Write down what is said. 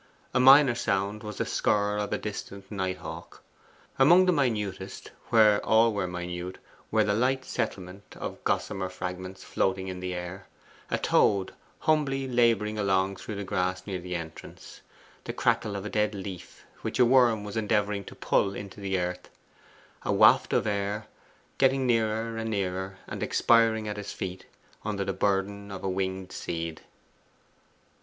A minor sound was the scurr of a distant night hawk. Among the minutest where all were minute were the light settlement of gossamer fragments floating in the air, a toad humbly labouring along through the grass near the entrance, the crackle of a dead leaf which a worm was endeavouring to pull into the earth, a waft of air, getting nearer and nearer, and expiring at his feet under the burden of a winged seed.